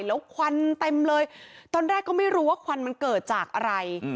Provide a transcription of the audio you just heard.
แล้วควันเต็มเลยตอนแรกก็ไม่รู้ว่าควันมันเกิดจากอะไร